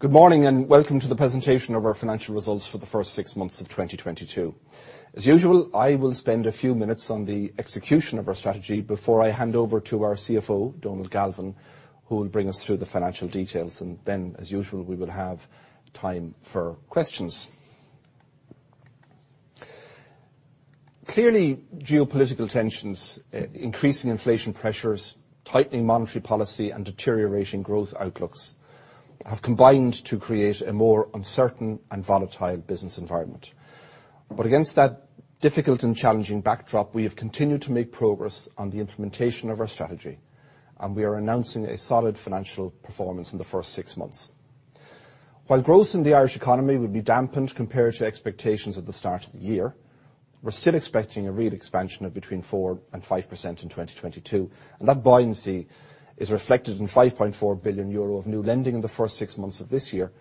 Good morning, and welcome to the presentation of our financial results for the first six months of 2022. As usual, I will spend a few minutes on the execution of our strategy before I hand over to our CFO, Donal Galvin, who will bring us through the financial details. Then, as usual, we will have time for questions. Clearly, geopolitical tensions, increasing inflation pressures, tightening monetary policy, and deteriorating growth outlooks have combined to create a more uncertain and volatile business environment. But against that difficult and challenging backdrop, we have continued to make progress on the implementation of our strategy, and we are announcing a solid financial performance in the first six months. While growth in the Irish economy will be dampened compared to expectations at the start of the year, we're still expecting a real expansion of between 4% and 5% in 2022, and that buoyancy is reflected in 5.4 billion euro of new lending in the first six months of this year,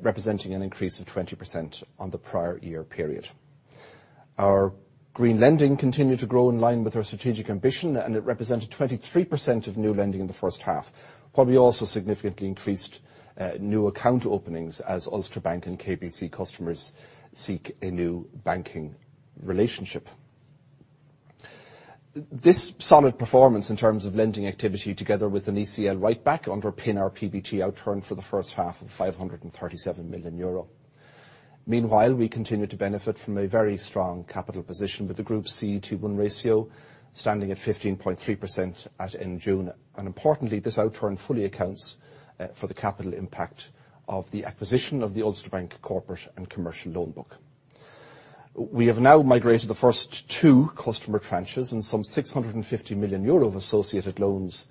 representing an increase of 20% on the prior year period. Our green lending continued to grow in line with our strategic ambition, and it represented 23% of new lending in the first half, while we also significantly increased new account openings as Ulster Bank and KBC customers seek a new banking relationship. This solid performance in terms of lending activity together with an ECL write-back underpin our PBT outturn for the first half of 537 million euro. Meanwhile, we continue to benefit from a very strong capital position, with the Group's CET1 ratio standing at 15.3% at end June. Importantly, this outturn fully accounts for the capital impact of the acquisition of the Ulster Bank corporate and commercial loan book. We have now migrated the first two customer tranches and some 650 million euro of associated loans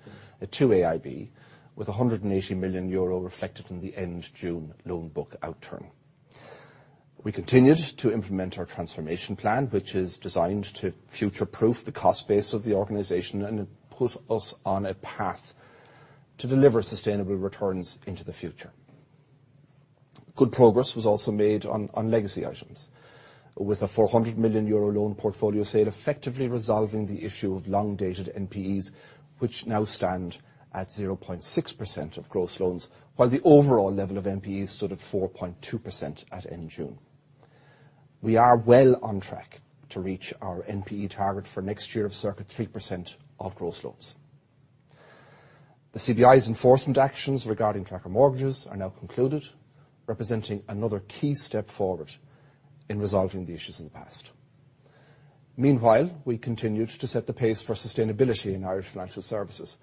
to AIB, with 180 million euro reflected in the end June loan book outturn. We continued to implement our transformation plan, which is designed to future-proof the cost base of the organization, and it put us on a path to deliver sustainable returns into the future. Good progress was also made on legacy items, with a 400 million euro loan portfolio sale effectively resolving the issue of long-dated NPEs, which now stand at 0.6% of gross loans, while the overall level of NPEs stood at 4.2% at end June. We are well on track to reach our NPE target for next year of circa 3% of gross loans. The CBI's enforcement actions regarding tracker mortgages are now concluded, representing another key step forward in resolving the issues of the past. Meanwhile, we continued to set the pace for sustainability in Irish financial services,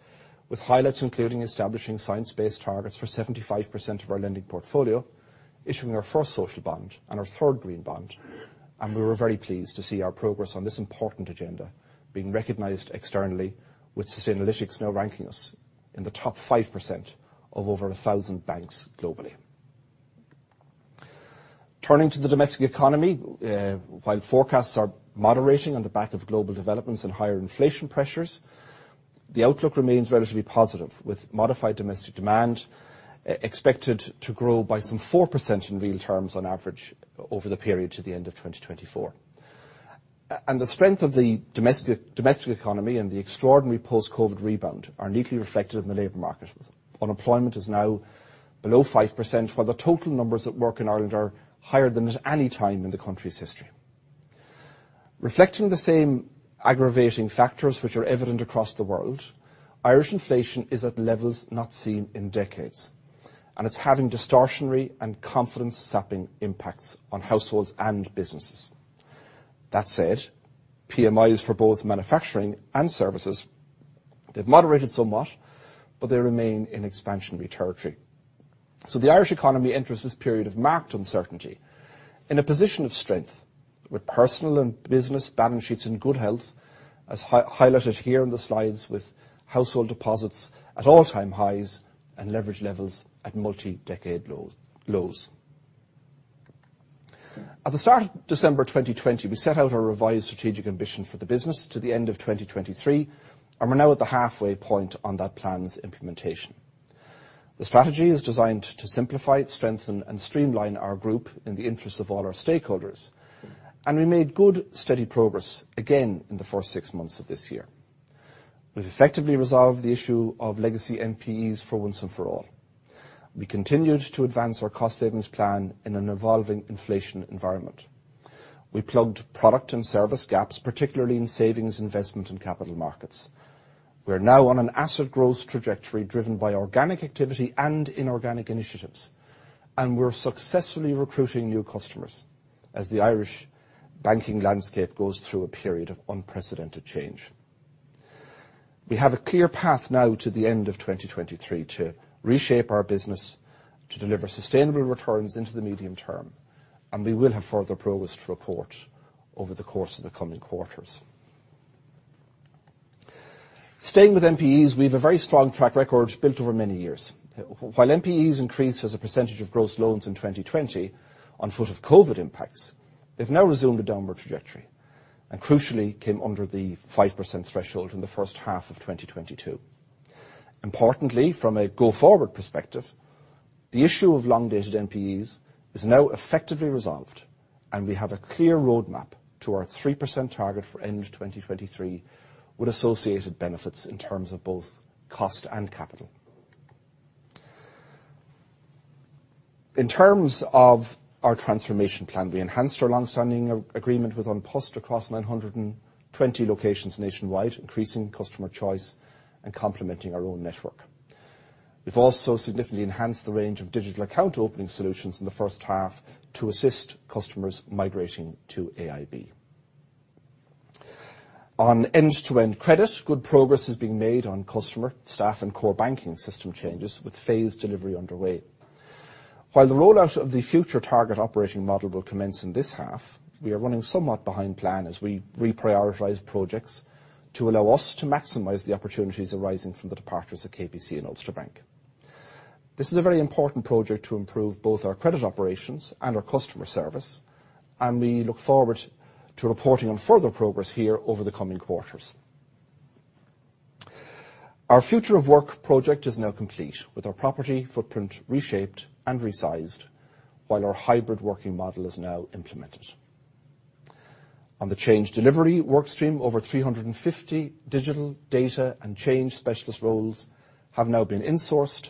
with highlights including establishing science-based targets for 75% of our lending portfolio, issuing our first social bond and our third green bond, and we were very pleased to see our progress on this important agenda being recognized externally with Sustainalytics now ranking us in the top 5% of over 1,000 banks globally. Turning to the domestic economy, while forecasts are moderating on the back of global developments and higher inflation pressures, the outlook remains relatively positive, with modified domestic demand expected to grow by some 4% in real terms on average over the period to the end of 2024. The strength of the domestic economy and the extraordinary post-COVID rebound are neatly reflected in the labor market. Unemployment is now below 5%, while the total numbers at work in Ireland are higher than at any time in the country's history. Reflecting the same aggravating factors which are evident across the world, Irish inflation is at levels not seen in decades, and it's having distortionary and confidence-sapping impacts on households and businesses. That said, PMIs for both manufacturing and services, they've moderated somewhat, but they remain in expansionary territory. The Irish economy enters this period of marked uncertainty in a position of strength with personal and business balance sheets in good health, as highlighted here in the slides with household deposits at all-time highs and leverage levels at multi-decade lows. At the start of December 2020, we set out our revised strategic ambition for the business to the end of 2023, and we're now at the halfway point on that plan's implementation. The strategy is designed to simplify, strengthen, and streamline our group in the interests of all our stakeholders, and we made good, steady progress again in the first six months of this year. We've effectively resolved the issue of legacy NPEs for once and for all. We continued to advance our cost savings plan in an evolving inflation environment. We plugged product and service gaps, particularly in savings, investment, and capital markets. We're now on an asset growth trajectory driven by organic activity and inorganic initiatives, and we're successfully recruiting new customers as the Irish banking landscape goes through a period of unprecedented change. We have a clear path now to the end of 2023 to reshape our business to deliver sustainable returns into the medium term, and we will have further progress to report over the course of the coming quarters. Staying with NPEs, we have a very strong track record built over many years. While NPEs increased as a percentage of gross loans in 2020, on foot of COVID impacts, they've now resumed a downward trajectory and crucially came under the 5% threshold in the first half of 2022. Importantly, from a go-forward perspective, the issue of long-dated NPEs is now effectively resolved. We have a clear roadmap to our 3% target for end of 2023, with associated benefits in terms of both cost and capital. In terms of our transformation plan, we enhanced our long-standing agreement with An Post across 920 locations nationwide, increasing customer choice and complementing our own network. We've also significantly enhanced the range of digital account opening solutions in the first half to assist customers migrating to AIB. On end-to-end credit, good progress is being made on customer, staff, and core banking system changes, with phased delivery underway. While the rollout of the future target operating model will commence in this half, we are running somewhat behind plan as we reprioritize projects to allow us to maximize the opportunities arising from the departures of KBC and Ulster Bank. This is a very important project to improve both our credit operations and our customer service, and we look forward to reporting on further progress here over the coming quarters. Our future of work project is now complete, with our property footprint reshaped and resized while our hybrid working model is now implemented. On the change delivery workstream, over 350 digital data and change specialist roles have now been insourced,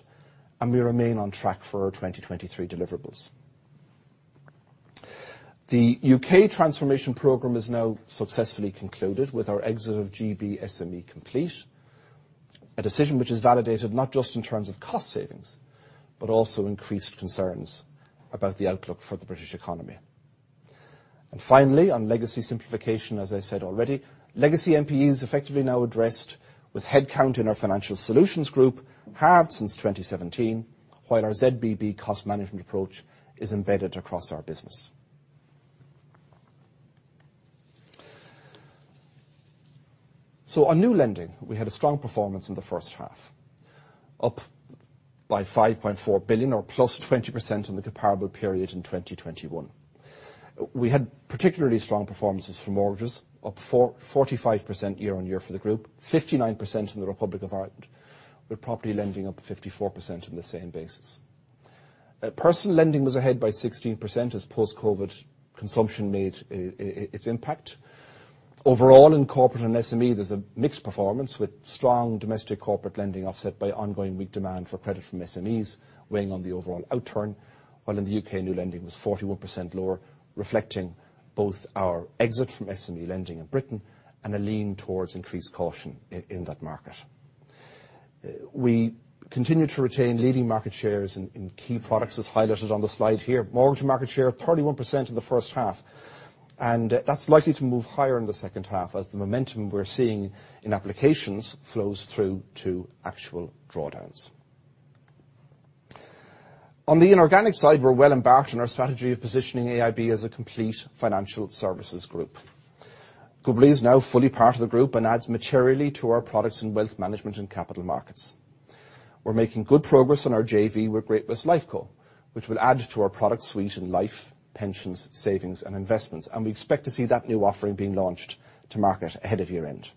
and we remain on track for our 2023 deliverables. The U.K. transformation program is now successfully concluded with our exit of GB SME complete, a decision which is validated not just in terms of cost savings, but also increased concerns about the outlook for the British economy. Finally, on legacy simplification, as I said already, legacy NPE is effectively now addressed with headcount in our Financial Solutions Group halved since 2017, while our ZBB cost management approach is embedded across our business. On new lending, we had a strong performance in the first half, up by 5.4 billion or +20% on the comparable period in 2021. We had particularly strong performances for mortgages, up 44.5% year-on-year for the group, 59% in the Republic of Ireland, with property lending up 54% on the same basis. Personal lending was ahead by 16% as post-COVID consumption made its impact. Overall, in corporate and SME, there's a mixed performance with strong domestic corporate lending offset by ongoing weak demand for credit from SMEs weighing on the overall outturn. While in the U.K., new lending was 41% lower, reflecting both our exit from SME lending in Britain and a lean towards increased caution in that market. We continue to retain leading market shares in key products as highlighted on the slide here. Mortgage market share 31% in the first half, and that's likely to move higher in the second half as the momentum we're seeing in applications flows through to actual drawdowns. On the inorganic side, we're well-embarked on our strategy of positioning AIB as a complete financial services group. Goodbody is now fully part of the group and adds materially to our products in wealth management and capital markets. We're making good progress on our JV with Great-West Lifeco, which will add to our product suite in life, pensions, savings, and investments, and we expect to see that new offering being launched to market ahead of year-end.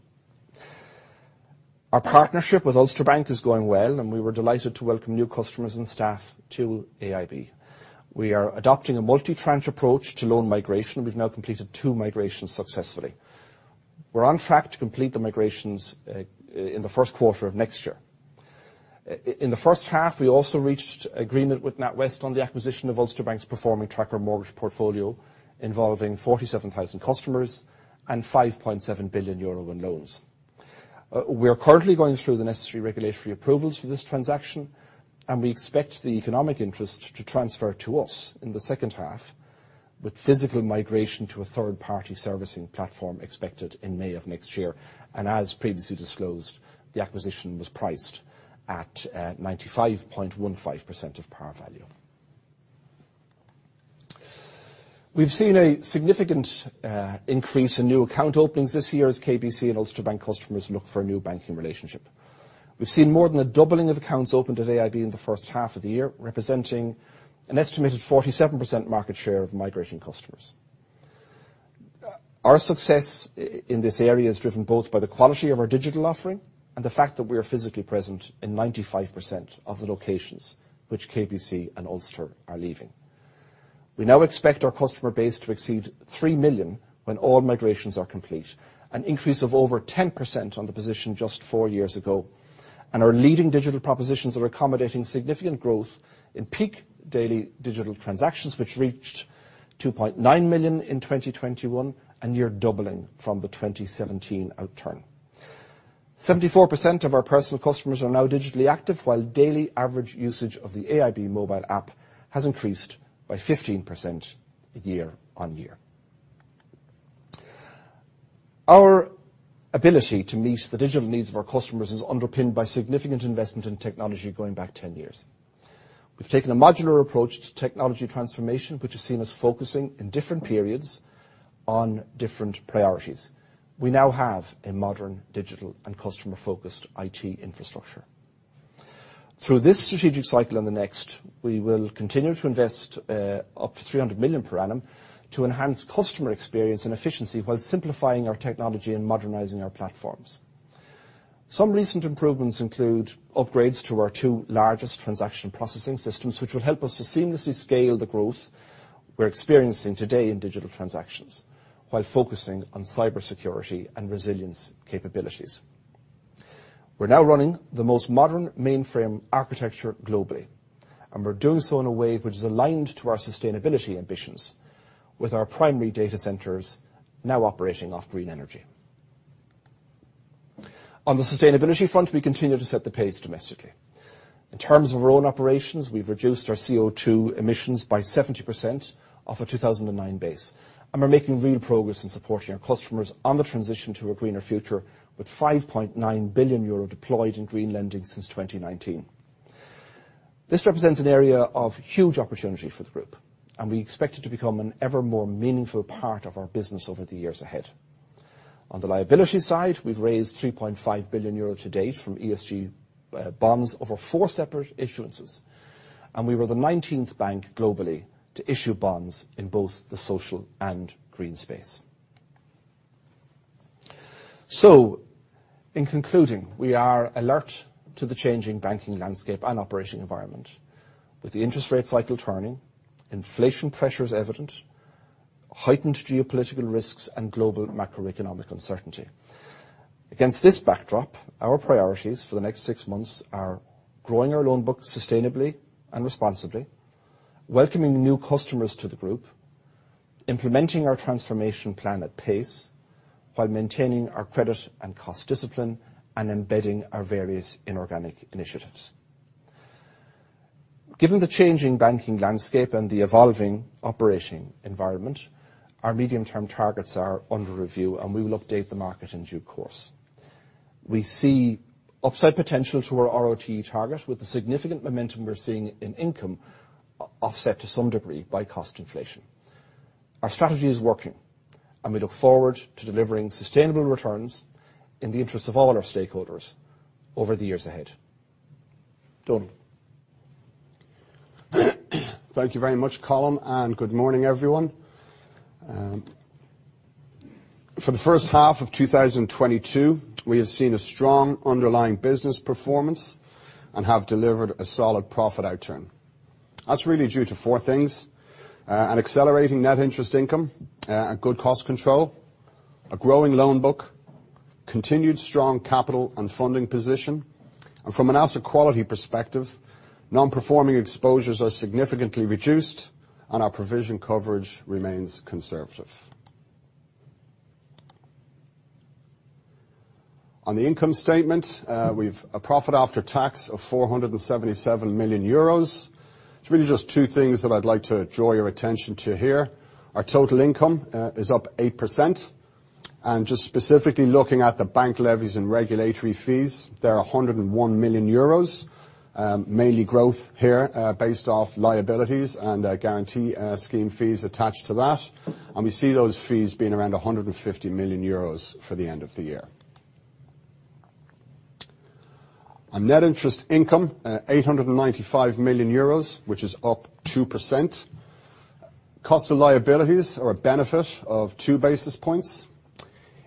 Our partnership with Ulster Bank is going well, and we were delighted to welcome new customers and staff to AIB. We are adopting a multi-tranche approach to loan migration. We've now completed two migrations successfully. We're on track to complete the migrations in the first quarter of next year. In the first half, we also reached agreement with NatWest on the acquisition of Ulster Bank's performing tracker mortgage portfolio, involving 47,000 customers and 5.7 billion euro in loans. We are currently going through the necessary regulatory approvals for this transaction, and we expect the economic interest to transfer to us in the second half, with physical migration to a third-party servicing platform expected in May of next year. As previously disclosed, the acquisition was priced at 95.15% of par value. We've seen a significant increase in new account openings this year as KBC and Ulster Bank customers look for a new banking relationship. We've seen more than a doubling of accounts opened at AIB in the first half of the year, representing an estimated 47% market share of migrating customers. Our success in this area is driven both by the quality of our digital offering and the fact that we are physically present in 95% of the locations which KBC and Ulster are leaving. We now expect our customer base to exceed three million when all migrations are complete, an increase of over 10% on the position just four years ago. Our leading digital propositions are accommodating significant growth in peak daily digital transactions, which reached 2.9 million in 2021, a near doubling from the 2017 outturn. 74% of our personal customers are now digitally active, while daily average usage of the AIB mobile app has increased by 15% year on year. Our ability to meet the digital needs of our customers is underpinned by significant investment in technology going back 10 years. We've taken a modular approach to technology transformation, which is seen as focusing in different periods on different priorities. We now have a modern, digital, and customer-focused IT infrastructure. Through this strategic cycle and the next, we will continue to invest up to 300 million per annum to enhance customer experience and efficiency while simplifying our technology and modernizing our platforms. Some recent improvements include upgrades to our two largest transaction processing systems, which will help us to seamlessly scale the growth we're experiencing today in digital transactions while focusing on cybersecurity and resilience capabilities. We're now running the most modern mainframe architecture globally, and we're doing so in a way which is aligned to our sustainability ambitions with our primary data centers now operating off green energy. On the sustainability front, we continue to set the pace domestically. In terms of our own operations, we've reduced our CO2 emissions by 70% off a 2009 base, and we're making real progress in supporting our customers on the transition to a greener future with 5.9 billion euro deployed in green lending since 2019. This represents an area of huge opportunity for the group, and we expect it to become an ever more meaningful part of our business over the years ahead. On the liability side, we've raised 3.5 billion euro to date from ESG bonds over four separate issuances, and we were the 19th bank globally to issue bonds in both the social and green space. In concluding, we are alert to the changing banking landscape and operating environment. With the interest rate cycle turning, inflation pressures evident, heightened geopolitical risks, and global macroeconomic uncertainty. Against this backdrop, our priorities for the next six months are growing our loan book sustainably and responsibly, welcoming new customers to the group, implementing our transformation plan at pace while maintaining our credit and cost discipline, and embedding our various inorganic initiatives. Given the changing banking landscape and the evolving operating environment, our medium-term targets are under review, and we will update the market in due course. We see upside potential to our RoTE target with the significant momentum we're seeing in income offset to some degree by cost inflation. Our strategy is working, and we look forward to delivering sustainable returns in the interests of all our stakeholders over the years ahead. Donal. Thank you very much, Colin, and good morning, everyone. For the first half of 2022, we have seen a strong underlying business performance and have delivered a solid profit outturn. That's really due to four things, an accelerating net interest income, a good cost control, a growing loan book, continued strong capital and funding position. From an asset quality perspective, non-performing exposures are significantly reduced, and our provision coverage remains conservative. On the income statement, we've a profit after tax of 477 million euros. It's really just two things that I'd like to draw your attention to here. Our total income is up 8%. Just specifically looking at the bank levies and regulatory fees, they are 101 million euros. Mainly growth here, based off liabilities and guarantee scheme fees attached to that. We see those fees being around 150 million euros for the end of the year. On net interest income, 895 million euros, which is up 2%. Cost of liabilities are a benefit of 2 basis points.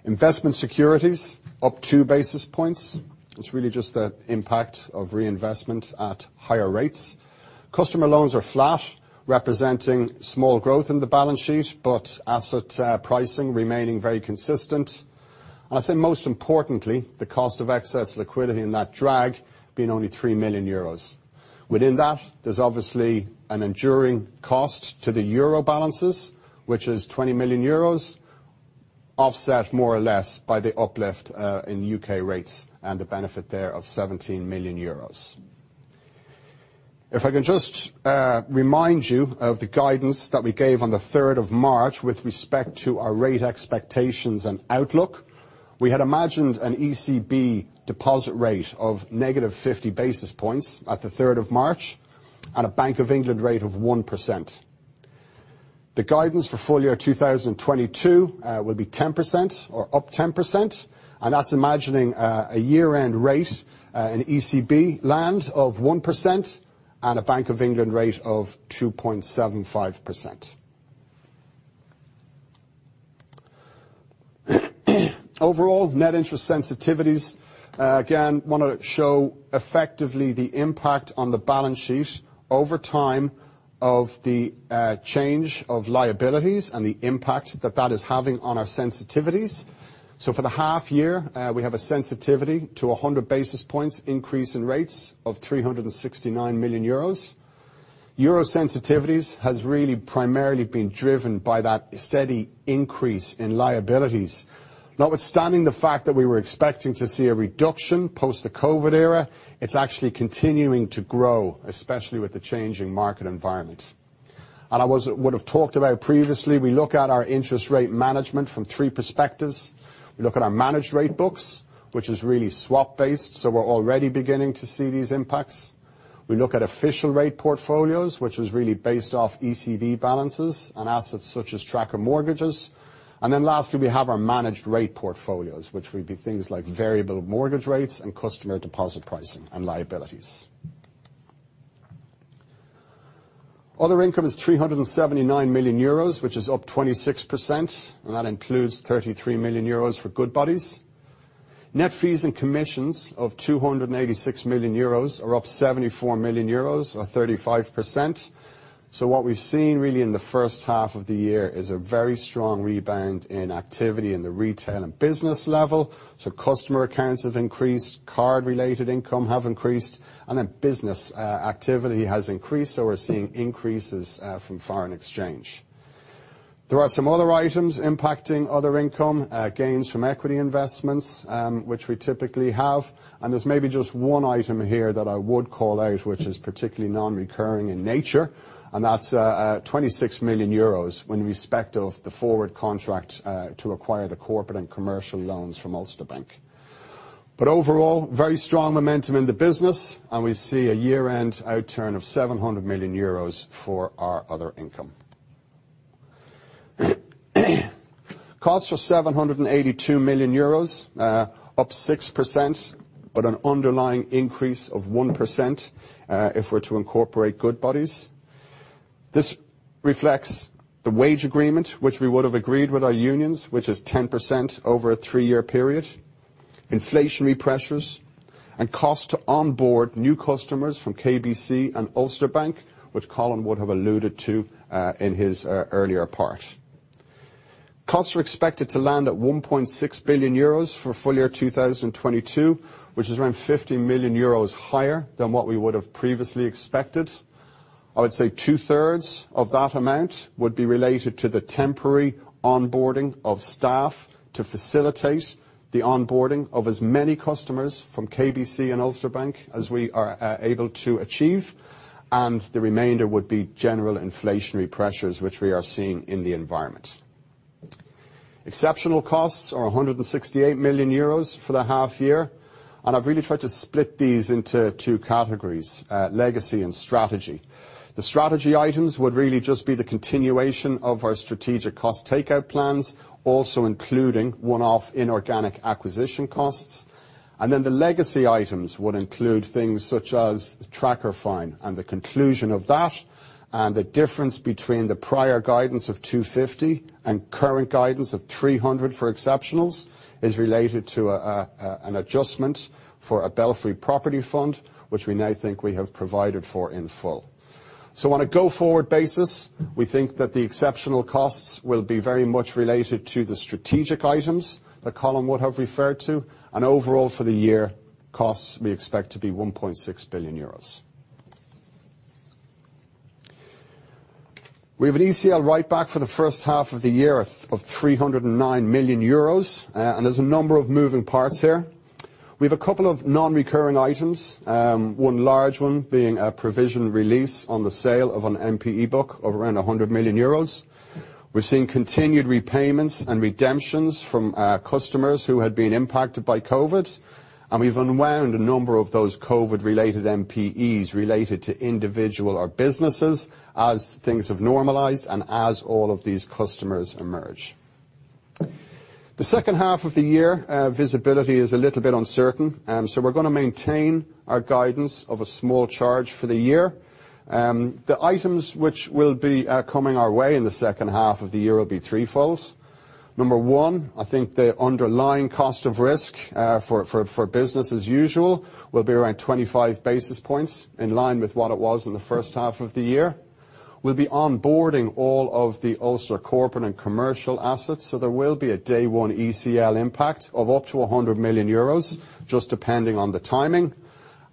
Investment securities up 2 basis points. It's really just the impact of reinvestment at higher rates. Customer loans are flat, representing small growth in the balance sheet, but asset pricing remaining very consistent. I'd say most importantly, the cost of excess liquidity and that drag being only 3 million euros. Within that, there's obviously an enduring cost to the euro balances, which is 20 million euros, offset more or less by the uplift in U.K. rates and the benefit there of 17 million euros. If I can just remind you of the guidance that we gave on the third of March with respect to our rate expectations and outlook. We had imagined an ECB deposit rate of -50 basis points at the 3rd of March and a Bank of England rate of 1%. The guidance for full year 2022 will be 10% or up 10%, and that's imagining a year-end rate in ECB land of 1% and a Bank of England rate of 2.75%. Overall, net interest sensitivities again wanna show effectively the impact on the balance sheet over time of the change of liabilities and the impact that that is having on our sensitivities. For the half year, we have a sensitivity to 100 basis points increase in rates of 369 million euros. Euro sensitivities has really primarily been driven by that steady increase in liabilities. Notwithstanding the fact that we were expecting to see a reduction post the COVID era, it's actually continuing to grow, especially with the changing market environment. As I would have talked about previously, we look at our interest rate management from three perspectives. We look at our managed rate books, which is really swap-based, so we're already beginning to see these impacts. We look at official rate portfolios, which is really based off ECB balances and assets such as tracker mortgages. Lastly, we have our managed rate portfolios, which would be things like variable mortgage rates and customer deposit pricing and liabilities. Other income is 379 million euros, which is up 26%, and that includes 33 million euros for Goodbody's. Net fees and commissions of 286 million euros are up 74 million euros, or 35%. What we've seen really in the first half of the year is a very strong rebound in activity in the retail and business level. Customer accounts have increased, card-related income have increased, and then business activity has increased, so we're seeing increases from foreign exchange. There are some other items impacting other income. Gains from equity investments, which we typically have, and there's maybe just one item here that I would call out, which is particularly non-recurring in nature, and that's 26 million euros in respect of the forward contract to acquire the corporate and commercial loans from Ulster Bank. Overall, very strong momentum in the business, and we see a year-end outturn of 700 million euros for our other income. Costs were 782 million euros, up 6%, but an underlying increase of 1%, if we're to incorporate Goodbody's. This reflects the wage agreement, which we would have agreed with our unions, which is 10% over a three-year period, inflationary pressures, and cost to onboard new customers from KBC and Ulster Bank, which Colin would have alluded to in his earlier part. Costs are expected to land at 1.6 billion euros for full year 2022, which is around 50 million euros higher than what we would have previously expected. I would say 2/3 of that amount would be related to the temporary onboarding of staff to facilitate the onboarding of as many customers from KBC and Ulster Bank as we are able to achieve, and the remainder would be general inflationary pressures, which we are seeing in the environment. Exceptional costs are 168 million euros for the half year, and I've really tried to split these into two categories, legacy and strategy. The strategy items would really just be the continuation of our strategic cost takeout plans, also including one-off inorganic acquisition costs. The legacy items would include things such as the tracker fine and the conclusion of that, and the difference between the prior guidance of 250 and current guidance of 300 for exceptionals is related to an adjustment for a Belfry property fund, which we now think we have provided for in full. On a go-forward basis, we think that the exceptional costs will be very much related to the strategic items that Colin would have referred to, and overall for the year, costs we expect to be 1.6 billion euros. We have an ECL write-back for the first half of the year of 309 million euros, and there's a number of moving parts here. We've a couple of non-recurring items, one large one being a provision release on the sale of an NPE book of around 100 million euros. We're seeing continued repayments and redemptions from our customers who had been impacted by COVID, and we've unwound a number of those COVID-related NPEs related to individuals or businesses as things have normalized and as all of these customers emerge. The second half of the year, visibility is a little bit uncertain, so we're gonna maintain our guidance of a small charge for the year. The items which will be coming our way in the second half of the year will be threefold. Number one, I think the underlying cost of risk for business as usual will be around 25 basis points, in line with what it was in the first half of the year. We'll be onboarding all of the Ulster corporate and commercial assets, so there will be a day-one ECL impact of up to 100 million euros, just depending on the timing.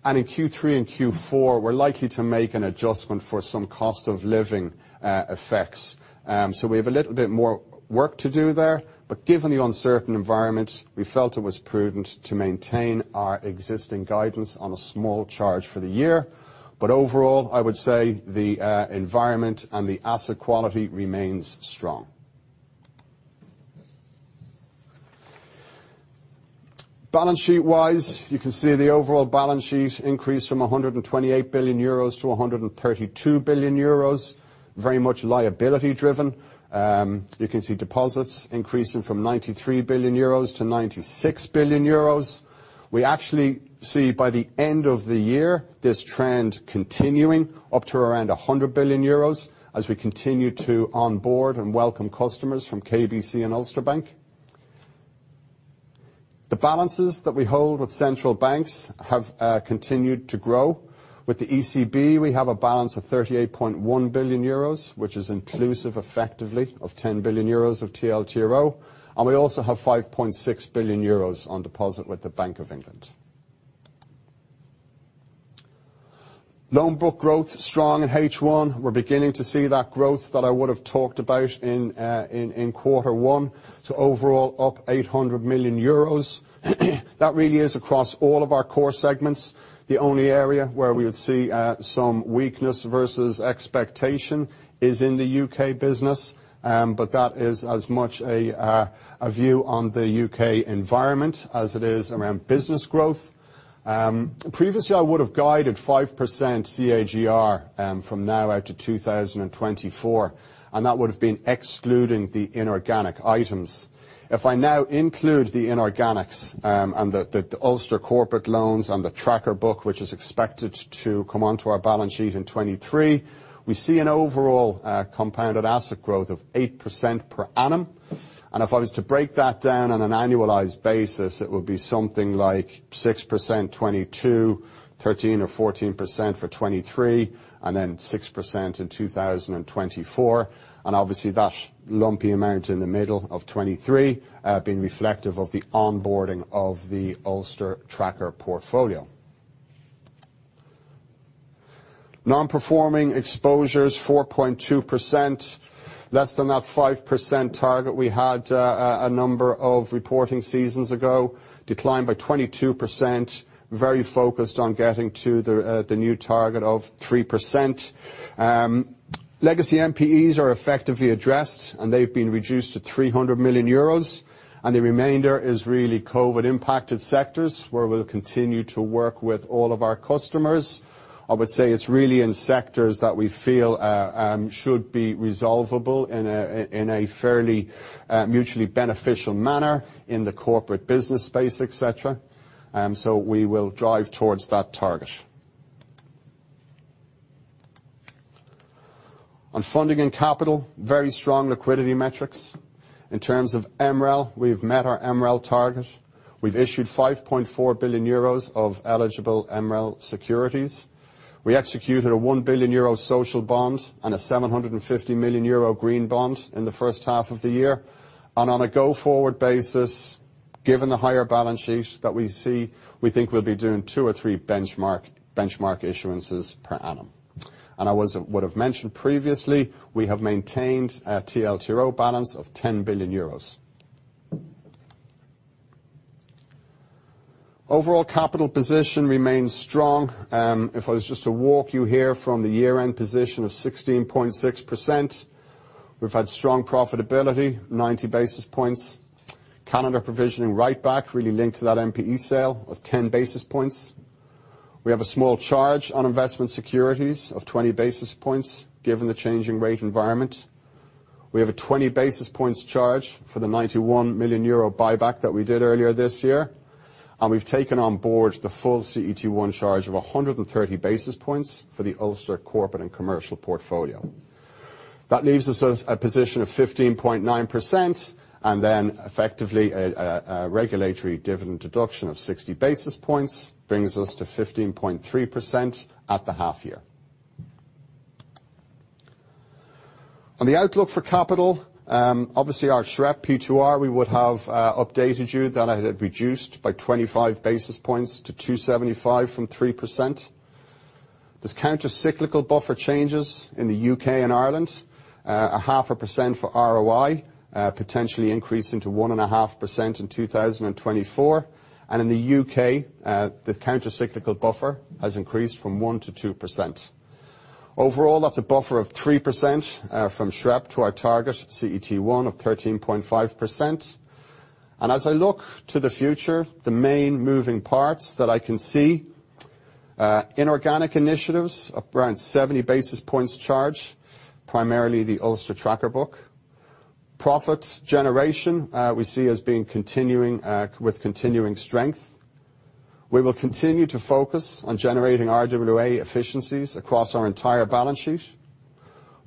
In Q3 and Q4, we're likely to make an adjustment for some cost of living effects. We have a little bit more work to do there, but given the uncertain environment, we felt it was prudent to maintain our existing guidance on a small charge for the year. Overall, I would say the environment and the asset quality remains strong. Balance sheet-wise, you can see the overall balance sheet increased from 128 billion euros to 132 billion euros, very much liability driven. You can see deposits increasing from 93 billion euros to 96 billion euros. We actually see by the end of the year, this trend continuing up to around 100 billion euros as we continue to onboard and welcome customers from KBC and Ulster Bank. The balances that we hold with central banks have continued to grow. With the ECB, we have a balance of 38.1 billion euros, which is inclusive effectively of 10 billion euros of TLTRO, and we also have 5.6 billion euros on deposit with the Bank of England. Loan book growth strong in H1. We're beginning to see that growth that I would have talked about in quarter one. Overall up 800 million euros. That really is across all of our core segments. The only area where we would see some weakness versus expectation is in the U.K. business, but that is as much a view on the U.K. environment as it is around business growth. Previously I would have guided 5% CAGR from now out to 2024, and that would have been excluding the inorganic items. If I now include the inorganics and the Ulster corporate loans and the tracker book, which is expected to come onto our balance sheet in 2023, we see an overall compounded asset growth of 8% per annum. If I was to break that down on an annualized basis, it would be something like 6% 2022, 13% or 14% for 2023, and then 6% in 2024. Obviously, that lumpy amount in the middle of 2023 being reflective of the onboarding of the Ulster tracker portfolio. Non-Performing Exposures 4.2%. Less than that 5% target we had a number of reporting seasons ago declined by 22%. Very focused on getting to the new target of 3%. Legacy NPEs are effectively addressed, and they've been reduced to 300 million euros, and the remainder is really COVID-impacted sectors where we'll continue to work with all of our customers. I would say it's really in sectors that we feel should be resolvable in a fairly mutually beneficial manner in the corporate business space, et cetera. We will drive towards that target. On funding and capital, very strong liquidity metrics. In terms of MREL, we've met our MREL target. We've issued 5.4 billion euros of eligible MREL securities. We executed a 1 billion euro social bond and a 750 million euro green bond in the first half of the year. On a go-forward basis, given the higher balance sheet that we see, we think we'll be doing two or three benchmark issuances per annum. I would have mentioned previously, we have maintained a TLTRO balance of 10 billion euros. Overall capital position remains strong. If I was just to walk you here from the year-end position of 16.6%, we've had strong profitability, 90 basis points. Calendar year provisioning release really linked to that NPE sale of 10 basis points. We have a small charge on investment securities of 20 basis points given the changing rate environment. We have a 20 basis points charge for the 91 million euro buyback that we did earlier this year, and we've taken on board the full CET1 charge of 130 basis points for the Ulster Corporate and Commercial portfolio. That leaves us a position of 15.9% and then effectively a regulatory dividend deduction of 60 basis points brings us to 15.3% at the half year. On the outlook for capital, obviously our SREP P2R, we would have updated you that it had reduced by 25 basis points to 2.75% from 3%. There's countercyclical buffer changes in the U.K. and Ireland. Half a percent for ROI, potentially increasing to 1.5% in 2024. In the U.K., the countercyclical buffer has increased from 1% to 2%. Overall, that's a buffer of 3%, from SREP to our target CET1 of 13.5%. As I look to the future, the main moving parts that I can see, inorganic initiatives of around 70 basis points charge, primarily the Ulster tracker book. Profit generation, we see as being continuing, with continuing strength. We will continue to focus on generating RWA efficiencies across our entire balance sheet.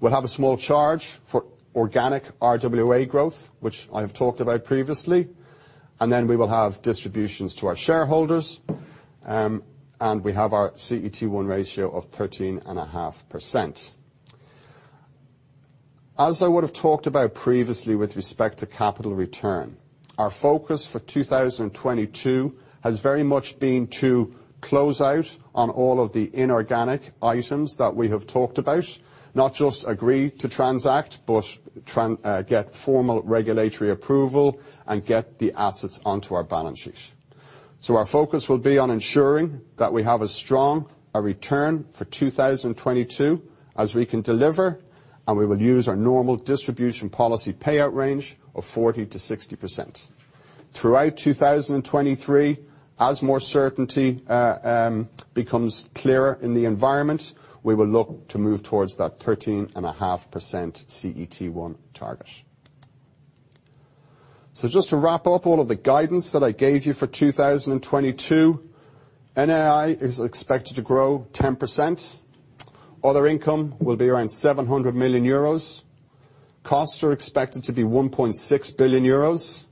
We'll have a small charge for organic RWA growth, which I have talked about previously. Then we will have distributions to our shareholders. We have our CET1 ratio of 13.5%. As I would have talked about previously with respect to capital return, our focus for 2022 has very much been to close out on all of the inorganic items that we have talked about, not just agree to transact, but get formal regulatory approval and get the assets onto our balance sheet. Our focus will be on ensuring that we have as strong a return for 2022 as we can deliver, and we will use our normal distribution policy payout range of 40%-60%. Throughout 2023, as more certainty becomes clearer in the environment, we will look to move towards that 13.5% CET1 target. Just to wrap up all of the guidance that I gave you for 2022, NII is expected to grow 10%. Other income will be around 700 million euros. Costs are expected to be 1.6 billion euros.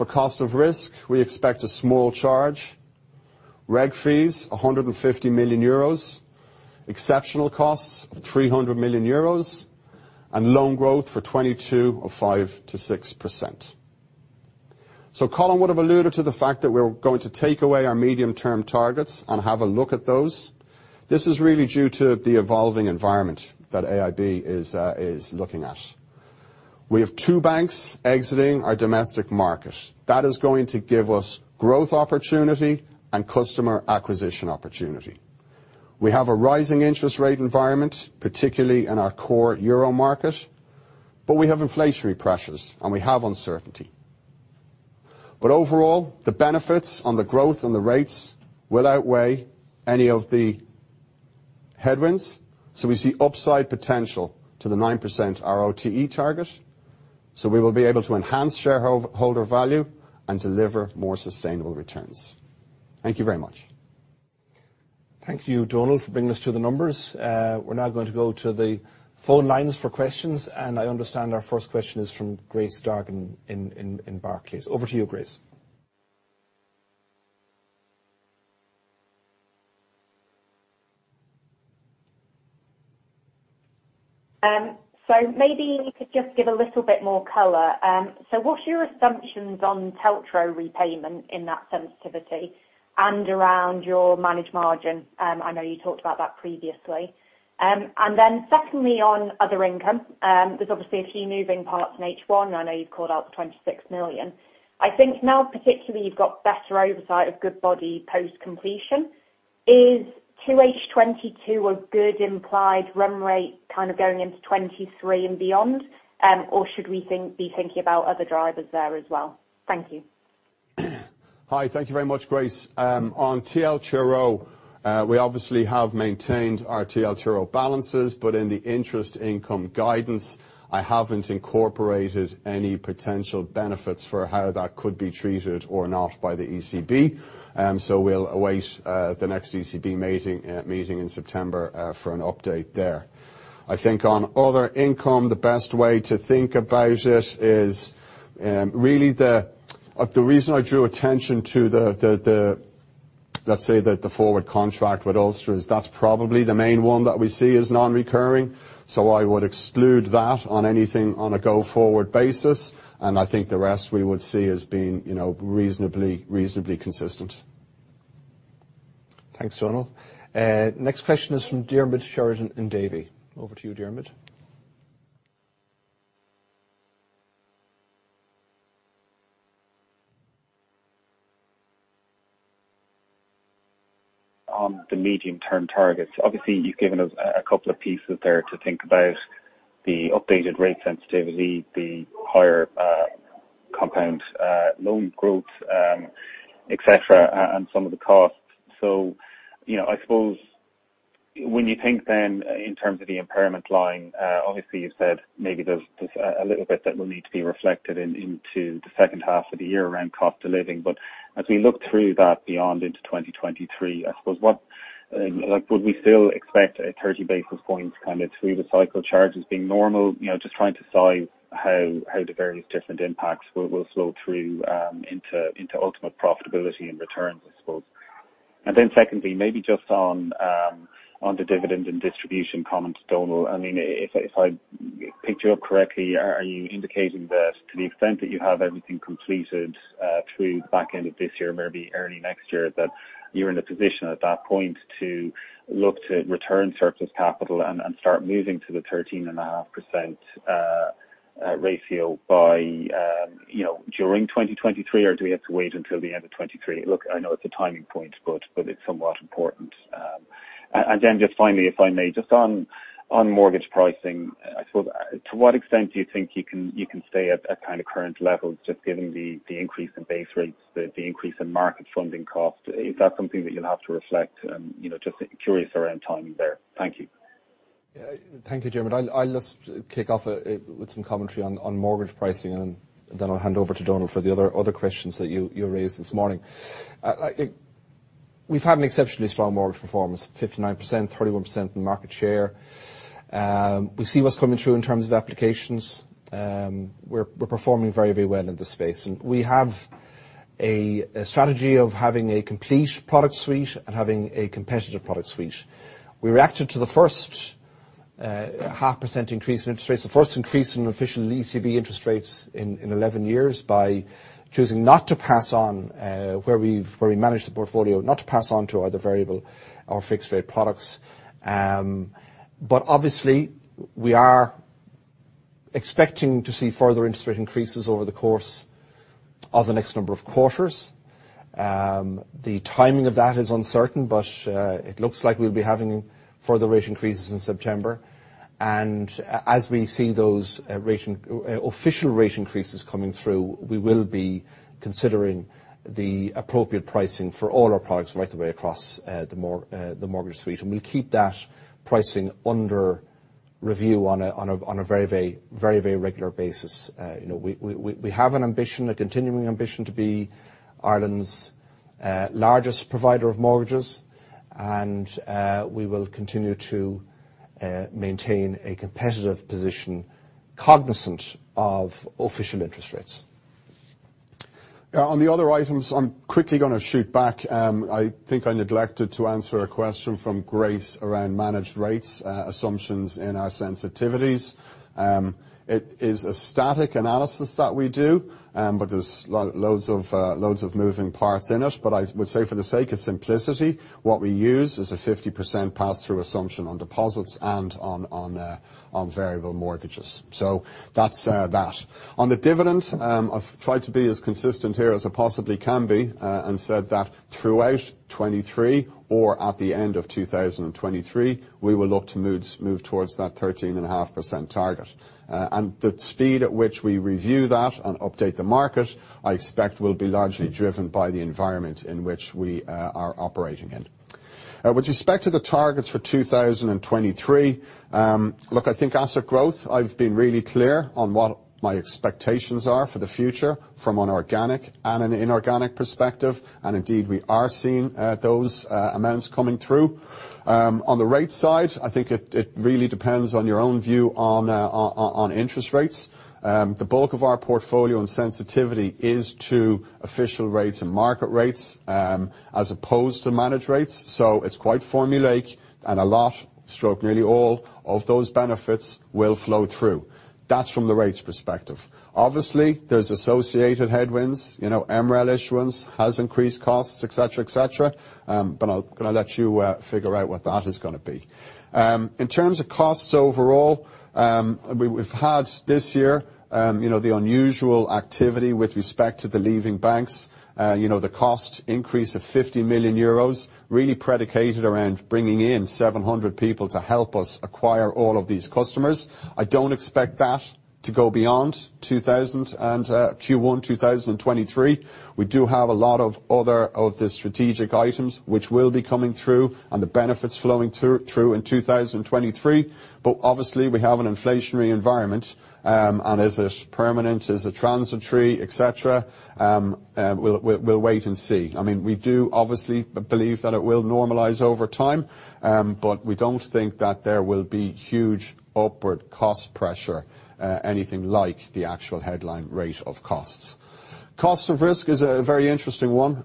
For cost of risk, we expect a small charge. Reg fees, 150 million euros. Exceptional costs of 300 million euros. Loan growth for 2022 of 5%-6%. Colin would have alluded to the fact that we're going to take away our medium-term targets and have a look at those. This is really due to the evolving environment that AIB is looking at. We have two banks exiting our domestic market. That is going to give us growth opportunity and customer acquisition opportunity. We have a rising interest rate environment, particularly in our core euro market, but we have inflationary pressures, and we have uncertainty. But overall, the benefits on the growth and the rates will outweigh any of the headwinds. We see upside potential to the 9% RoTE target. We will be able to enhance shareholder value and deliver more sustainable returns. Thank you very much. Thank you, Donal, for bringing us through the numbers. We're now going to go to the phone lines for questions, and I understand our first question is from Grace Dargan in Barclays. Over to you, Grace. Maybe you could just give a little bit more color. What's your assumptions on TLTRO repayment in that sensitivity and around your managed margin? I know you talked about that previously. Secondly, on other income, there's obviously a few moving parts in H1. I know you've called out the 26 million. I think now particularly you've got better oversight of Goodbody post-completion. Is 2H 2022 a good implied run rate kind of going into 2023 and beyond? Should we think, be thinking about other drivers there as well? Thank you. Hi. Thank you very much, Grace. On TLTRO, we obviously have maintained our TLTRO balances, but in the interest income guidance, I haven't incorporated any potential benefits for how that could be treated or not by the ECB. We'll await the next ECB meeting in September for an update there. I think on other income, the best way to think about it is really the reason I drew attention to the forward contract with Ulster is that's probably the main one that we see as non-recurring. I would exclude that on anything on a go-forward basis, and I think the rest we would see as being, you know, reasonably consistent. Thanks, Donal. Next question is from Diarmaid Sheridan in Davy. Over to you, Diarmaid. On the medium-term targets, obviously you've given us a couple of pieces there to think about, the updated rate sensitivity, the higher compound loan growth, et cetera, and some of the costs. You know, I suppose when you think then in terms of the impairment line, obviously you've said maybe there's a little bit that will need to be reflected into the second half of the year around cost of living. But as we look through that beyond into 2023, I suppose what like would we still expect a 30 basis points kind of through-the-cycle charges being normal? You know, just trying to size how the various different impacts will flow through into ultimate profitability and returns, I suppose. Then secondly, maybe just on the dividend and distribution comments, Donal. I mean, if I picked you up correctly, are you indicating that to the extent that you have everything completed through the back end of this year, maybe early next year, that you're in a position at that point to look to return surplus capital and start moving to the 13.5% ratio by, you know, during 2023? Or do we have to wait until the end of 2023? I know it's a timing point, but it's somewhat important. And then just finally, if I may, just on mortgage pricing, I suppose, to what extent do you think you can stay at kind of current levels just given the increase in base rates, the increase in market funding costs? Is that something that you'll have to reflect? You know, just curious around timing there. Thank you. Yeah. Thank you, Diarmaid. I'll just kick off with some commentary on mortgage pricing, and then I'll hand over to Donal for the other questions that you raised this morning. We've had an exceptionally strong mortgage performance, 59%, 31% in market share. We see what's coming through in terms of applications. We're performing very well in this space, and we have a strategy of having a complete product suite and having a competitive product suite. We reacted to the first 0.5% increase in interest rates, the first increase in official ECB interest rates in 11 years by choosing not to pass on, where we manage the portfolio, not to pass on to other variable or fixed rate products. Obviously we are expecting to see further interest rate increases over the course of the next number of quarters. The timing of that is uncertain, but it looks like we'll be having further rate increases in September. As we see those official rate increases coming through, we will be considering the appropriate pricing for all our products right the way across the mortgage suite. We'll keep that pricing under review on a very regular basis. You know, we have an ambition, a continuing ambition to be Ireland's largest provider of mortgages, and we will continue to maintain a competitive position cognizant of official interest rates. Yeah, on the other items, I'm quickly gonna shoot back. I think I neglected to answer a question from Grace around managed rates assumptions in our sensitivities. It is a static analysis that we do, but there's loads of moving parts in it. I would say for the sake of simplicity, what we use is a 50% pass-through assumption on deposits and on variable mortgages. So that's that. On the dividend, I've tried to be as consistent here as I possibly can be, and said that throughout 2023 or at the end of 2023, we will look to move towards that 13.5% target. The speed at which we review that and update the market, I expect will be largely driven by the environment in which we are operating in. With respect to the targets for 2023, look, I think asset growth, I've been really clear on what my expectations are for the future from an organic and an inorganic perspective. Indeed, we are seeing those amounts coming through. On the rate side, I think it really depends on your own view on interest rates. The bulk of our portfolio and sensitivity is to official rates and market rates, as opposed to managed rates. It's quite formulaic, and a lot, nearly all of those benefits will flow through. That's from the rates perspective. Obviously, there's associated headwinds. You know, MREL issuance has increased costs, et cetera, et cetera. I'll let you figure out what that is gonna be. In terms of costs overall, we've had this year, you know, the unusual activity with respect to the leaving banks. You know, the cost increase of 50 million euros really predicated around bringing in 700 people to help us acquire all of these customers. I don't expect that to go beyond 2022 and Q1 2023. We do have a lot of other strategic items which will be coming through and the benefits flowing through in 2023. Obviously we have an inflationary environment, and is it permanent, is it transitory, et cetera? We'll wait and see. I mean, we do obviously believe that it will normalize over time, but we don't think that there will be huge upward cost pressure, anything like the actual headline rate of costs. Cost of risk is a very interesting one.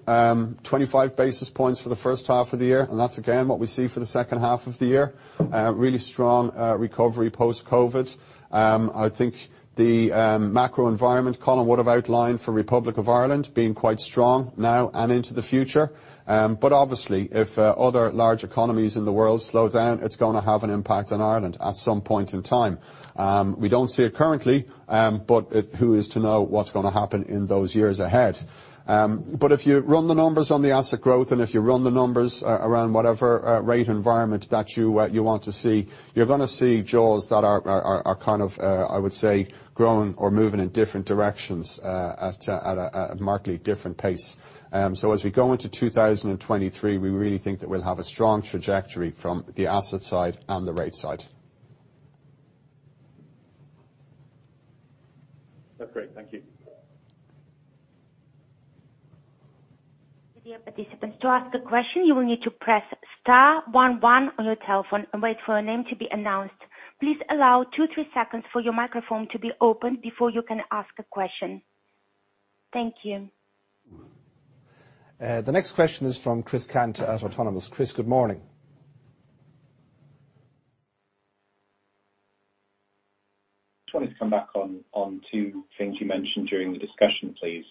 25 basis points for the first half of the year, and that's again what we see for the second half of the year. Really strong recovery post-COVID. I think the macro environment Colin would have outlined for Republic of Ireland being quite strong now and into the future. Obviously, if other large economies in the world slow down, it's gonna have an impact on Ireland at some point in time. We don't see it currently, but who is to know what's gonna happen in those years ahead? If you run the numbers on the asset growth, and if you run the numbers around whatever rate environment that you want to see, you're gonna see jaws that are kind of I would say growing or moving in different directions at a markedly different pace. As we go into 2023, we really think that we'll have a strong trajectory from the asset side and the rate side. That's great. Thank you. Dear participants, to ask a question, you will need to press star one one on your telephone and wait for a name to be announced. Please allow two to three seconds for your microphone to be opened before you can ask a question. Thank you. The next question is from Chris Cant at Autonomous. Chris, good morning. Just wanted to come back on two things you mentioned during the discussion, please.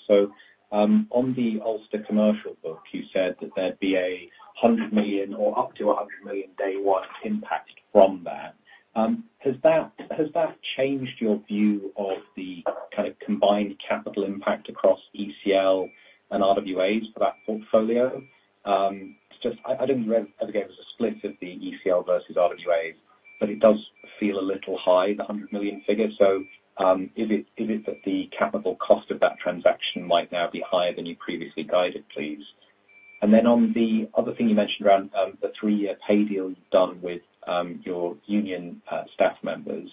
On the Ulster Bank commercial book, you said that there'd be 100 million or up to 100 million day one impact from that. Has that changed your view of the kind of combined capital impact across ECL and RWAs for that portfolio? Just, I didn't read, again, it was a split of the ECL versus RWA, but it does feel a little high, the 100 million figure. Is it that the capital cost of that transaction might now be higher than you previously guided, please? On the other thing you mentioned around the three-year pay deal you've done with your union staff members,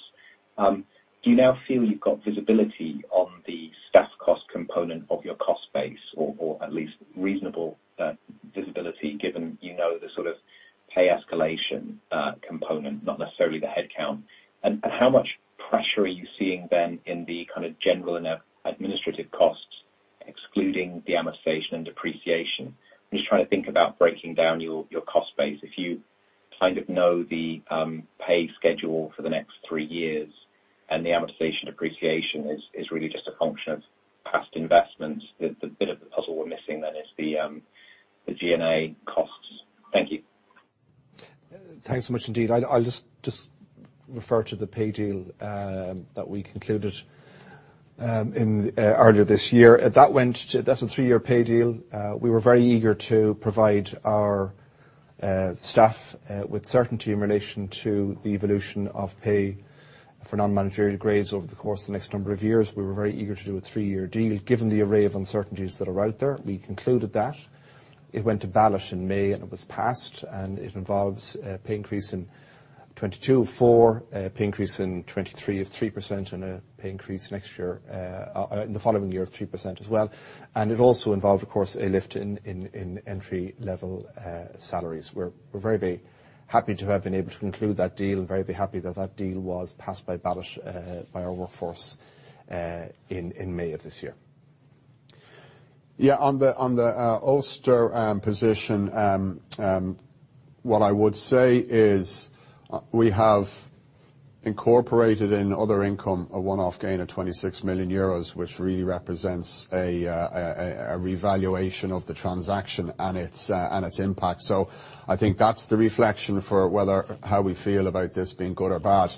do you now feel you've got visibility on the staff cost component of your cost base, or at least reasonable visibility given you know the sort of pay escalation component, not necessarily the headcount? How much pressure are you seeing then in the kind of general and administrative costs, excluding the amortization and depreciation? I'm just trying to think about breaking down your cost base. If you kind of know the pay schedule for the next three years and the amortization depreciation is really just a function of past investments, the bit of the puzzle we're missing then is the G&A costs. Thank you. Thanks so much indeed. I'll just refer to the pay deal that we concluded in earlier this year. That's a three-year pay deal. We were very eager to provide our staff with certainty in relation to the evolution of pay for non-managerial grades over the course of the next number of years. We were very eager to do a three-year deal. Given the array of uncertainties that are out there, we concluded that. It went to ballot in May, and it was passed, and it involves a pay increase in 2022, 4%, a pay increase in 2023 of 3% and a pay increase next year, the following year of 3% as well. It also involved, of course, a lift in entry-level salaries. We're very happy to have been able to conclude that deal and very happy that deal was passed by ballot by our workforce in May of this year. Yeah, on the Ulster Bank position, what I would say is we have incorporated in other income a one-off gain of 26 million euros, which really represents a revaluation of the transaction and its impact. So I think that's the reflection of how we feel about this being good or bad.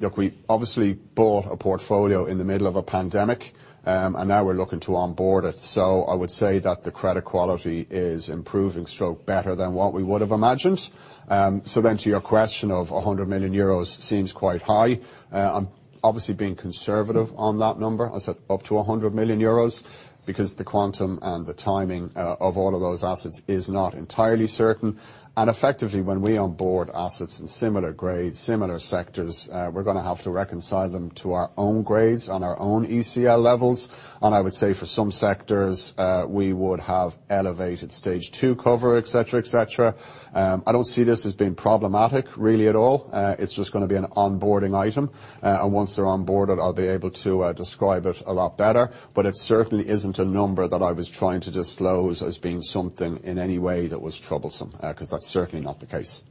Look, we obviously bought a portfolio in the middle of a pandemic and now we're looking to onboard it. So I would say that the credit quality is improving, or better than what we would have imagined. So then to your question of 100 million euros seems quite high. I'm obviously being conservative on that number. I said up to 100 million euros, because the quantum and the timing of all of those assets is not entirely certain. Effectively, when we onboard assets in similar grades, similar sectors, we're gonna have to reconcile them to our own grades on our own ECL levels. I would say for some sectors, we would have elevated stage two cover, et cetera, et cetera. I don't see this as being problematic really at all. It's just gonna be an onboarding item. Once they're onboarded, I'll be able to describe it a lot better. It certainly isn't a number that I was trying to disclose as being something in any way that was troublesome, 'cause that's certainly not the case.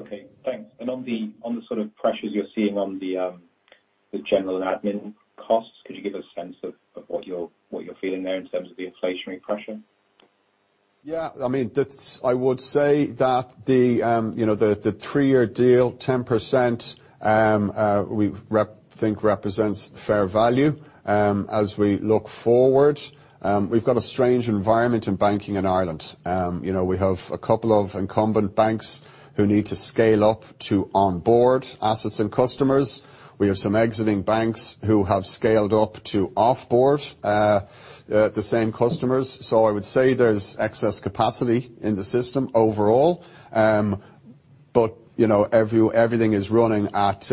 Okay, thanks. On the sort of pressures you're seeing on the general admin costs, could you give a sense of what you're feeling there in terms of the inflationary pressure? Yeah, I mean, that's, I would say that the, you know, the three-year deal, 10%, we think represents fair value. As we look forward, we've got a strange environment in banking in Ireland. You know, we have a couple of incumbent banks who need to scale up to onboard assets and customers. We have some exiting banks who have scaled up to offboard the same customers. I would say there's excess capacity in the system overall. You know, everything is running at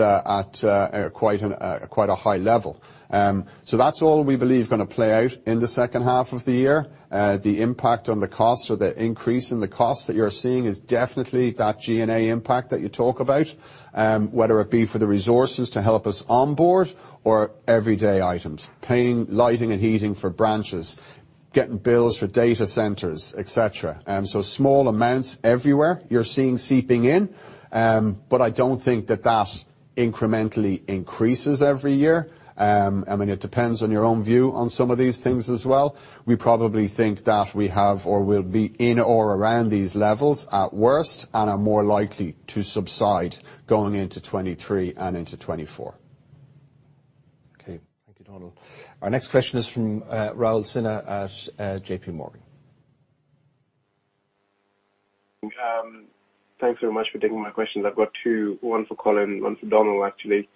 quite a high level. That's all we believe gonna play out in the second half of the year. The impact on the cost or the increase in the cost that you're seeing is definitely that G&A impact that you talk about, whether it be for the resources to help us onboard or everyday items. Paying lighting and heating for branches, getting bills for data centers, et cetera. Small amounts everywhere you're seeing seeping in. I don't think that incrementally increases every year. I mean, it depends on your own view on some of these things as well. We probably think that we have or will be in or around these levels at worst, and are more likely to subside going into 2023 and into 2024. Okay. Thank you, Donal. Our next question is from Raul Sinha at JP Morgan. Thanks very much for taking my questions. I've got two. One for Colin, one for Donal, actually.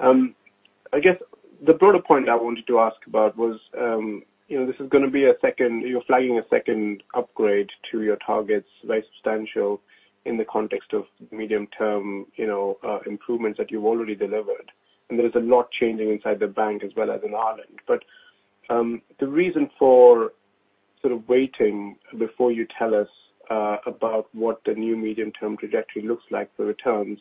I guess the broader point I wanted to ask about was, you know, you're flagging a second upgrade to your targets, very substantial in the context of medium-term, you know, improvements that you've already delivered. There is a lot changing inside the bank as well as in Ireland. The reason for sort of waiting before you tell us about what the new medium-term trajectory looks like for returns,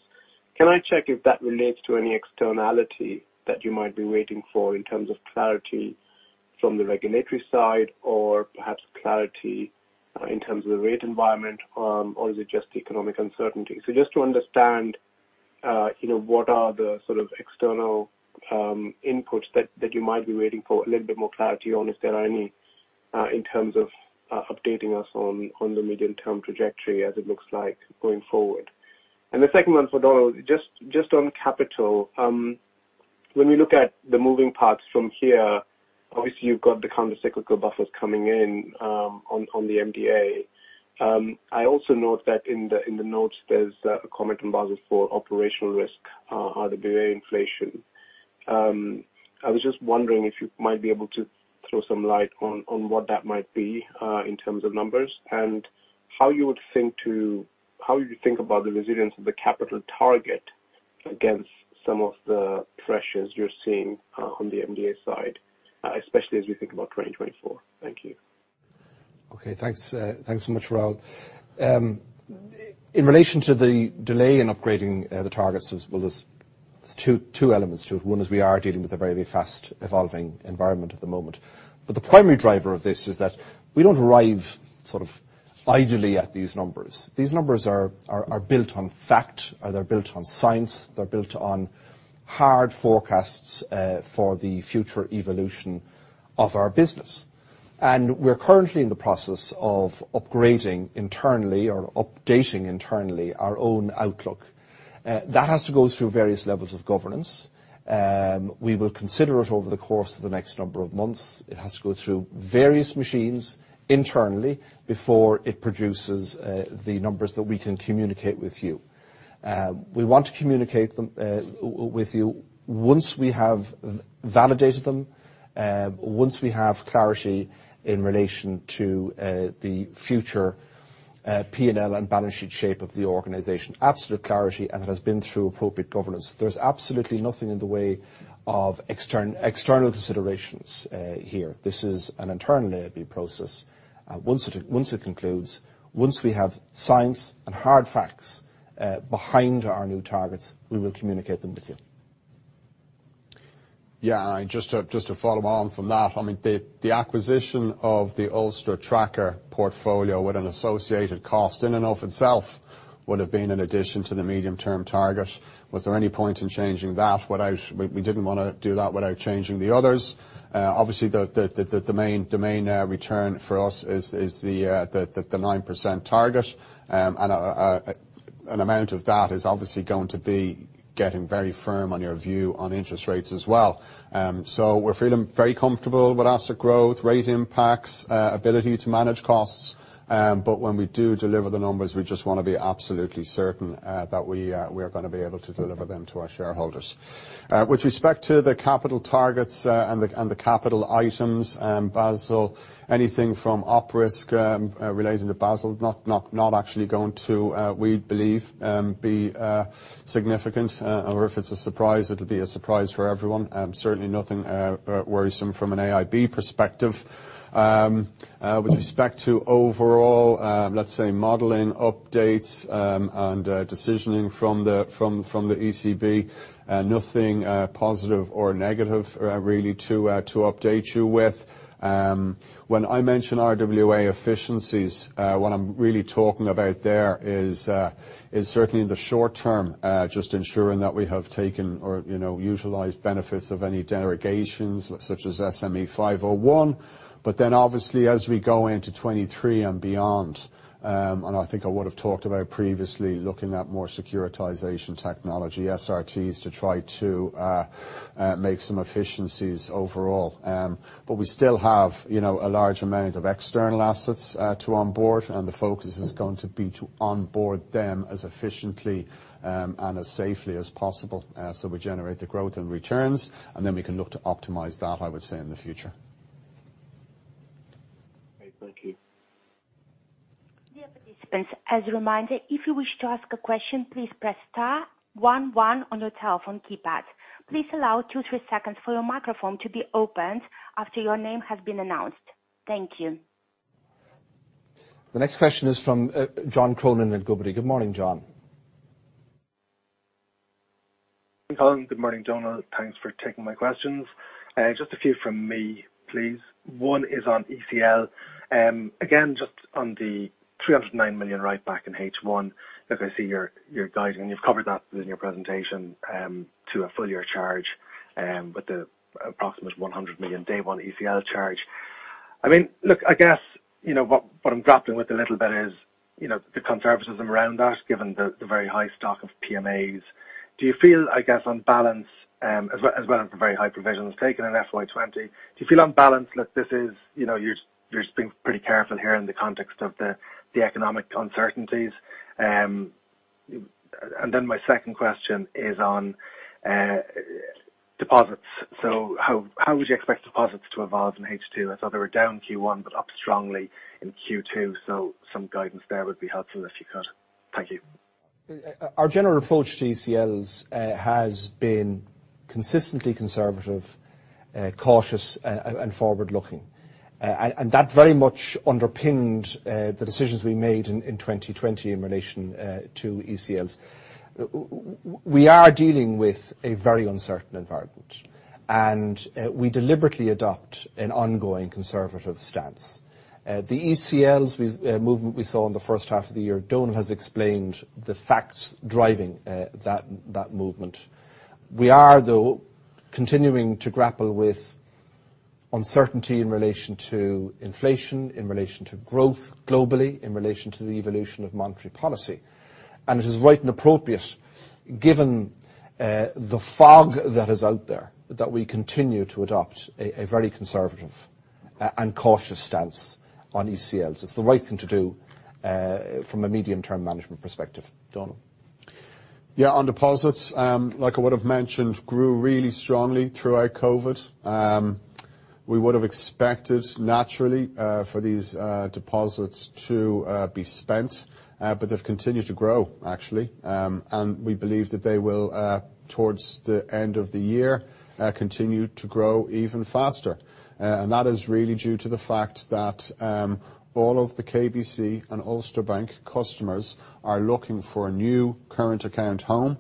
can I check if that relates to any externality that you might be waiting for in terms of clarity from the regulatory side, or perhaps clarity in terms of the rate environment, or is it just economic uncertainty? Just to understand, you know, what are the sort of external inputs that you might be waiting for a little bit more clarity on, if there are any, in terms of updating us on the medium-term trajectory as it looks like going forward. The second one for Donal, just on capital, when we look at the moving parts from here, obviously, you've got the countercyclical buffers coming in on the MDA. I also note that in the notes, there's a comment on Basel for operational risk, RWA inflation. I was just wondering if you might be able to throw some light on what that might be in terms of numbers, and how you think about the resilience of the capital target against some of the pressures you're seeing on the MDA side, especially as we think about 2024. Thank you. Okay, thanks. Thanks so much, Raul. In relation to the delay in upgrading the targets, well, there's two elements to it. One is we are dealing with a very fast evolving environment at the moment. The primary driver of this is that we don't arrive sort of ideally at these numbers. These numbers are built on fact, or they're built on science, they're built on hard forecasts for the future evolution of our business. We're currently in the process of upgrading internally or updating internally our own outlook. That has to go through various levels of governance. We will consider it over the course of the next number of months. It has to go through various mechanisms internally before it produces the numbers that we can communicate with you. We want to communicate them with you once we have validated them, once we have clarity in relation to the future P&L and balance sheet shape of the organization. Absolute clarity, and it has been through appropriate governance. There's absolutely nothing in the way of external considerations here. This is an internal process. Once it concludes, once we have science and hard facts behind our new targets, we will communicate them with you. Yeah. Just to follow on from that, I mean, the acquisition of the Ulster tracker portfolio with an associated cost in and of itself would have been an addition to the medium-term target. Was there any point in changing that? We didn't wanna do that without changing the others. Obviously the main return for us is the 9% target. An amount of that is obviously going to be getting very firm on your view on interest rates as well. We're feeling very comfortable with asset growth, rate impacts, ability to manage costs. But when we do deliver the numbers, we just wanna be absolutely certain that we're gonna be able to deliver them to our shareholders. With respect to the capital targets and the capital items, Basel, anything from op risk relating to Basel, we believe, not actually going to be significant. If it's a surprise, it'll be a surprise for everyone. Certainly nothing worrisome from an AIB perspective. With respect to overall, let's say modeling updates and decisioning from the ECB, nothing positive or negative really to update you with. When I mention RWA efficiencies, what I'm really talking about there is certainly in the short term just ensuring that we have taken or, you know, utilized benefits of any derogations, such as SME 501. Obviously as we go into 2023 and beyond, and I think I would've talked about previously looking at more securitization technology, SRTs, to try to make some efficiencies overall. But we still have, you know, a large amount of external assets to onboard, and the focus is going to be to onboard them as efficiently and as safely as possible, so we generate the growth and returns, and then we can look to optimize that, I would say in the future. Great. Thank you. Dear participants, as a reminder, if you wish to ask a question, please press star one one on your telephone keypad. Please allow two to three seconds for your microphone to be opened after your name has been announced. Thank you. The next question is from John Cronin at Goodbody. Good morning, John. Hi Colin. Good morning, Donal. Thanks for taking my questions. Just a few from me, please. One is on ECL. Again, just on the 309 million write back in H1, look, I see your guiding, and you've covered that in your presentation, to a full year charge, with the approximate 100 million day one ECL charge. I mean, look, I guess, you know what I'm grappling with a little bit is, you know, the conservatism around that, given the very high stock of PMAs. Do you feel, I guess, on balance, as well as the very high provisions taken in FY 2020, do you feel on balance that this is, you know, you're just being pretty careful here in the context of the economic uncertainties? My second question is on deposits. How would you expect deposits to evolve in H2? I saw they were down in Q1 but up strongly in Q2, so some guidance there would be helpful if you could. Thank you. Our general approach to ECLs has been consistently conservative, cautious, and forward looking. That very much underpinned the decisions we made in 2020 in relation to ECLs. We are dealing with a very uncertain environment, and we deliberately adopt an ongoing conservative stance. The ECLs movement we saw in the first half of the year, Donal has explained the facts driving that movement. We are, though, continuing to grapple with uncertainty in relation to inflation, in relation to growth globally, in relation to the evolution of monetary policy. It is right and appropriate, given the fog that is out there, that we continue to adopt a very conservative and cautious stance on ECLs. It's the right thing to do from a medium-term management perspective. Donal. Yeah, on deposits, like I would've mentioned, grew really strongly throughout COVID. We would've expected naturally for these deposits to be spent, but they've continued to grow actually. We believe that they will towards the end of the year continue to grow even faster. That is really due to the fact that all of the KBC and Ulster Bank customers are looking for a new current account home,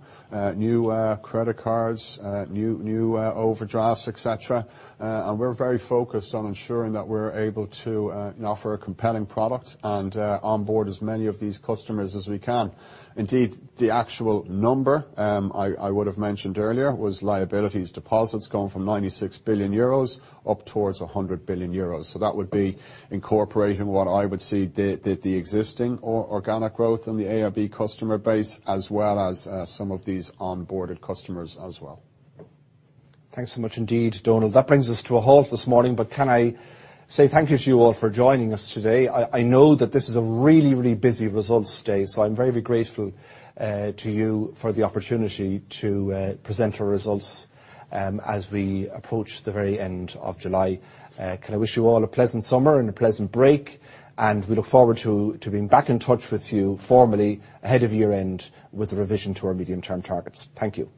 new credit cards, new overdrafts, et cetera. We're very focused on ensuring that we're able to, you know, offer a compelling product and onboard as many of these customers as we can. Indeed, the actual number I would've mentioned earlier was liabilities, deposits going from 96 billion euros up towards 100 billion euros. That would be incorporating what I would see the existing organic growth in the AIB customer base as well as some of these onboarded customers as well. Thanks so much indeed, Donal. That brings us to a halt this morning. Can I say thank you to you all for joining us today. I know that this is a really busy results day, so I'm very grateful to you for the opportunity to present our results as we approach the very end of July. Can I wish you all a pleasant summer and a pleasant break, and we look forward to being back in touch with you formally ahead of year-end with a revision to our medium-term targets. Thank you.